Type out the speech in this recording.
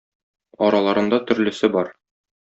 Араларында төрлесе бар.